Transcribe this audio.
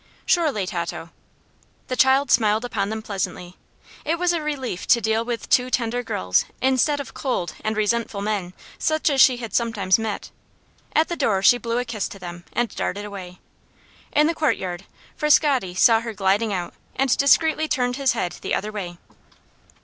"Surely, Tato." The child smiled upon them pleasantly. It was a relief to deal with two tender girls instead of cold and resentful men, such as she had sometimes met. At the door she blew a kiss to them, and darted away. In the courtyard Frascatti saw her gliding out and discreetly turned his head the other way.